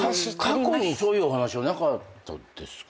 過去にそういうお話はなかったですか？